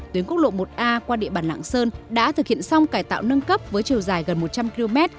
tuyến quốc lộ một a qua địa bàn lạng sơn đã thực hiện xong cải tạo nâng cấp với chiều dài gần một trăm linh km